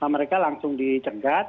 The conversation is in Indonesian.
mereka langsung dicegat